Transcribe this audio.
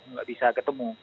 nggak bisa ketemu